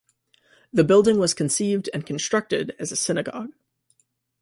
The building was conceived and constructed as a synagogue.